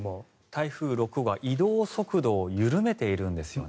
台風６号は移動速度を緩めているんですね。